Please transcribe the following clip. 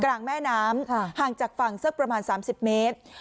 กลางแม่น้ำค่ะห่างจากฝั่งสักประมาณสามสิบเมตร